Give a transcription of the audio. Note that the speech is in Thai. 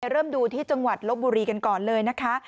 เริ่มดูที่จังหวัดลบบุรีกันก่อนเลยนะคะ